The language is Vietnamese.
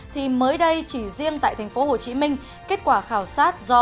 thì mới đây chỉ riêng tại tp hcm kết quả khảo sát do